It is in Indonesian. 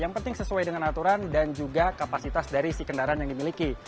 yang penting sesuai dengan aturan dan juga kapasitas dari si kendaraan yang dimiliki